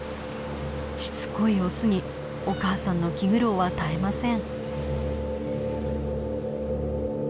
しつこいオスにお母さんの気苦労は絶えません。